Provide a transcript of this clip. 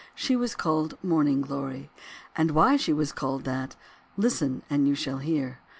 She was called Morning Glory, and why she was called that, listen, and you shall hear.